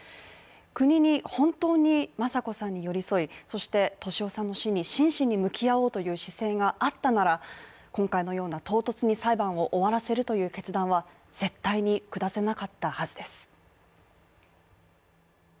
国に本当に雅子さんに寄り添い、そして俊夫さんの死に真摯に向き合おうという姿勢があったなら、今回のような唐突に裁判を終わらせるという決断は絶対に下せなかったはずです。